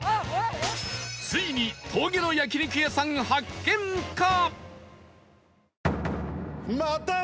ついに峠の焼肉屋さん発見か！？